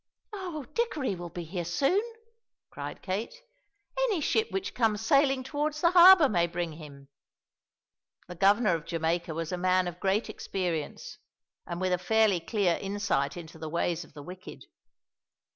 "Oh, Dickory will be here soon!" cried Kate; "any ship which comes sailing towards the harbour may bring him." The Governor of Jamaica was a man of great experience, and with a fairly clear insight into the ways of the wicked.